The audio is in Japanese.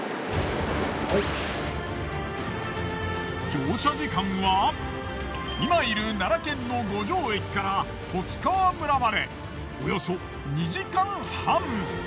乗車時間は今いる奈良県の五条駅から十津川村までおよそ２時間半。